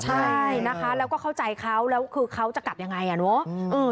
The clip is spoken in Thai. ใช่แล้วก็เข้าใจเขาแล้วคือเขาจะกลับอย่างไร